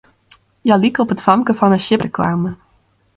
Hja like op it famke fan 'e sjippereklame.